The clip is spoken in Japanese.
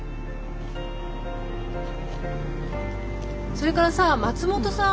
それからさ松本さん